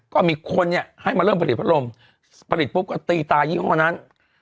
ก็มีคนเนี่ยให้มาเริ่มผลิตพัดลมผลิตปุ๊บก็ตีตายี่ห้อนั้น